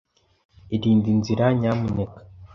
Irinde inzira, nyamuneka.